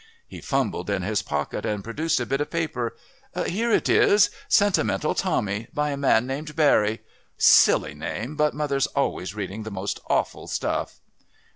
He fumbled in his pocket and produced a bit of paper. "Here it is. Sentimental Tommy, by a man called Barrie. Silly name, but mother's always reading the most awful stuff."